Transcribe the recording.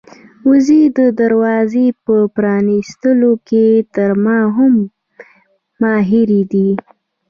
وزې د دروازې په پرانيستلو کې تر ما هم ماهرې دي.